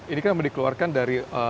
ini kan dikeluarkan dari